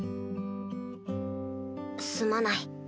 すまない。